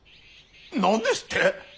何ですって！